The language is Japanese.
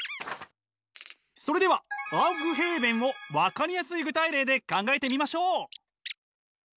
それではアウフヘーベンを分かりやすい具体例で考えてみましょう。